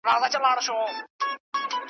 له خالقه رڼا اخلم ورځي شپو ته ورکومه .